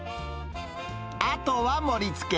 あとは盛りつけ。